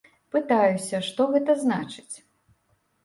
Пытаюся, што гэта значыць.